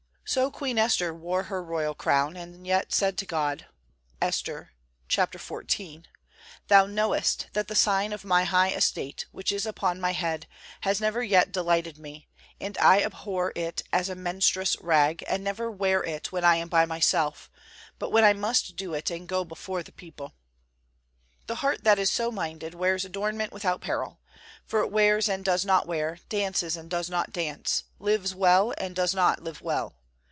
So Queen Esther wore her royal crown, and yet said to God, Esther xiv, "Thou knowest, that the sign of my high estate, which is upon my head, has never yet delighted me, and I abhor it as a menstruous rag, and never wear it when I am by myself, but when I must do it and go before the people." The heart that is so minded wears adornment without peril; for it wears and does not wear, dances and does not dance, lives well and does not live well.